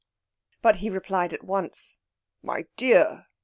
But he replied at once, "My dear!